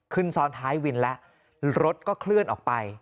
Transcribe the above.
ซ้อนท้ายวินแล้วรถก็เคลื่อนออกไป